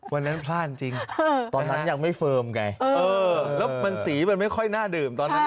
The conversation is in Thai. วันนั้นพลาดจริงตอนนั้นยังไม่เฟิร์มไงเออแล้วมันสีมันไม่ค่อยน่าดื่มตอนนั้น